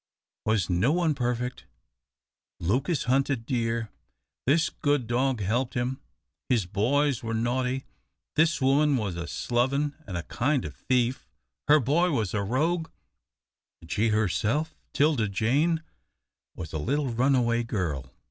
Was no one perfect? Lucas hunted deer, this good dog helped him, his boys were naughty, this woman was a sloven and a kind of thief, her boy was a rogue, and she herself 'Tilda Jane was a little runaway girl.